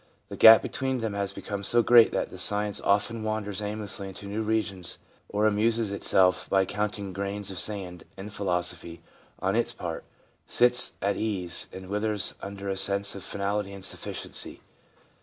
The gap between them has become so great that science often wanders aimlessly into new regions or amuses itself by counting grains of sand, and philosophy, on its part, sits at ease and withers under a sense of finality and sufficiency.